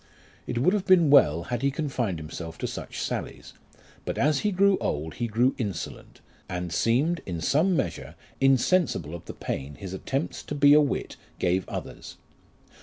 It would have been well had he confined himself to such sallies ; but as he grew old he grew insolent, and seemed, in some measure, insensible of the pain his attempts to be a wit gave others.